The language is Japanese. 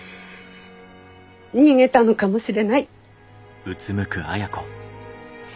逃げたのかもしれない。